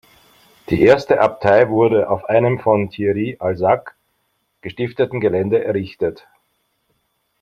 Die erste Abtei wurde auf einem von Thierry d’Alsace gestifteten Gelände errichtet.